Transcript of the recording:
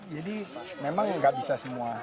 jadi memang nggak bisa semua